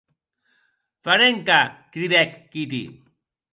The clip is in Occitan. Varenka!, cridèc Kitty.